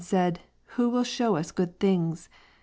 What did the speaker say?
Wlio will shew us good things.